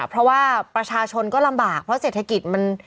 เพราะว่าประชาชนก็ลำบากเพราะเศรษฐกิจมัน